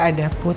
gak ada put